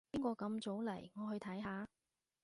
邊個咁早嚟？我去睇下